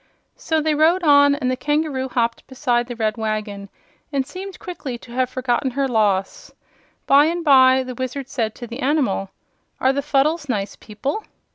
So they rode on, and the kangaroo hopped beside the red wagon and seemed quickly to have forgotten her loss. By and by the Wizard said to the animal: "Are the Fuddles nice people?"